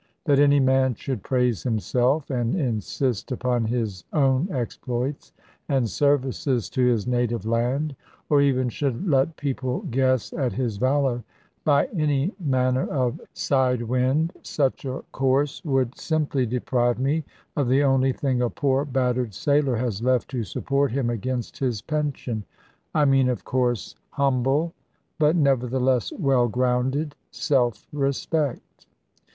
That any man should praise himself, and insist upon his own exploits and services to his native land, or even should let people guess at his valour, by any manner of side wind, such a course would simply deprive me of the only thing a poor battered sailor has left to support him against his pension; I mean of course humble, but nevertheless well grounded, self respect.